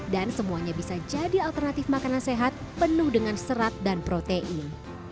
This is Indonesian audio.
dan semuanya bisa jadi alternatif makanan sehat penuh dengan serat dan protein